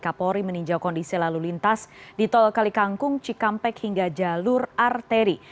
kapolri meninjau kondisi lalu lintas di tol kalikangkung cikampek hingga jalur arteri